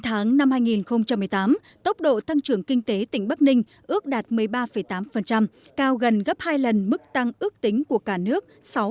chín tháng năm hai nghìn một mươi tám tốc độ tăng trưởng kinh tế tỉnh bắc ninh ước đạt một mươi ba tám cao gần gấp hai lần mức tăng ước tính của cả nước sáu